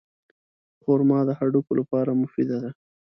خرما د هډوکو لپاره مفیده ده.